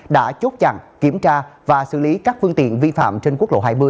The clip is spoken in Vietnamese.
đã chốt chặn kiểm tra và xử lý các phương tiện vi phạm trên quốc lộ hai mươi